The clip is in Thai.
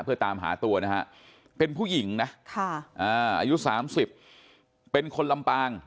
เพื่อตามหาตัวนะฮะเป็นผู้หญิงนะอายุ๓๐เป็นคนลำปาง